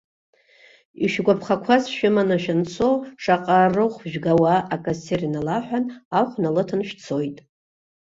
Ишәгәаԥхақәаз шәыманы шәанцо шаҟа рыхә жәгауа акассир иналаҳәан, ахә налыҭаны шәцоит.